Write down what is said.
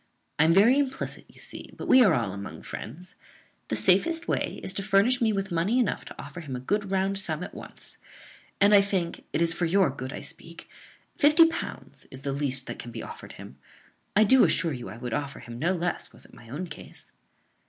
I am very implicit, you see; but we are all among friends. The safest way is to furnish me with money enough to offer him a good round sum at once; and I think (it is for your good I speak) fifty pounds is the least than can be offered him. I do assure you I would offer him no less was it my own case."